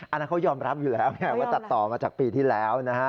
อันนั้นเขายอมรับอยู่แล้วไงว่าตัดต่อมาจากปีที่แล้วนะฮะ